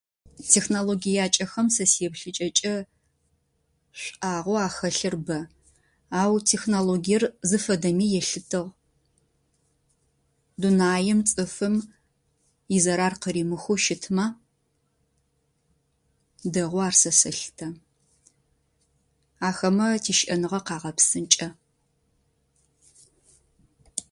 Технологиякӏэхэм сэ си еплъыкӏэкӏэ шӏуагъэу ахэлъыр бэ. Ау технологиер зыфэдэми елъытыгъ. Дунаим цӏыфым изэрар къыримыхэу щытымэ, дэгъоу ар сэ сэлъытэ. Ахэмэ тищыӏэныгъэ къагъэпсынкӏэ.